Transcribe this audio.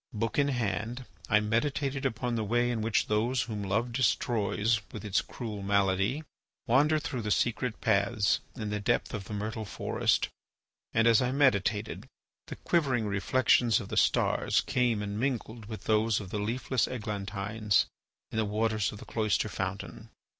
Book in hand, I meditated upon the way in which those whom Love destroys with its cruel malady wander through the secret paths in the depth of the myrtle forest, and, as I meditated, the quivering reflections of the stars came and mingled with those of the leafless eglantines in the waters of the cloister fountain.